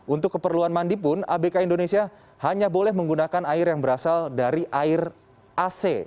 untuk keperluan mandi pun abk indonesia hanya boleh menggunakan air yang berasal dari air ac